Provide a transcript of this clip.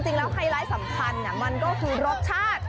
ไฮไลท์สำคัญมันก็คือรสชาติ